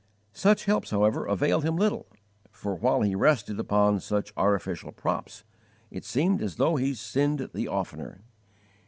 Such helps, however, availed him little, for while he rested upon such artificial props, it seemed as though he sinned the oftener.